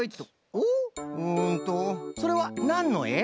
おっうんとそれはなんのえ？